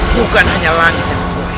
bukan hanya banget